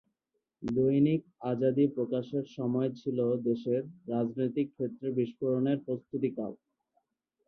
দৈনিক আজাদী প্রকাশের সময় ছিল দেশের রাজনৈতিক ক্ষেত্রে বিস্ফোরণের প্রস্ত্ততিকাল।